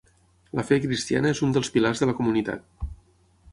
La fe cristiana és un dels pilars de la comunitat.